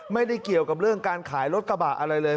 ไม่ได้เกี่ยวกับเรื่องการขายรถกระบะอะไรเลย